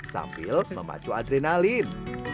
sambil memacu adrenalin